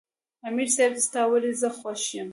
" امیر صېب ستا ولې زۀ خوښ یم" ـ